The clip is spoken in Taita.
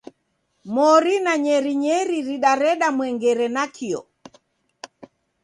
Mori na nyerinyeri ridareda mwengere nakio.